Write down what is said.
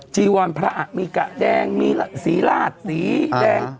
จีวรพระมีกะแดงมีสีราชสีแดง